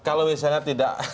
kalau misalnya tidak